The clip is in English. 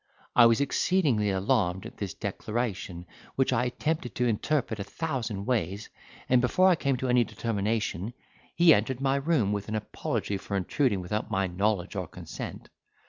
I was exceedingly alarmed at this declaration, which I attempted to interpret a thousand ways; and before I came to any determination he entered my room, with an apology for intruding without my knowledge or consent.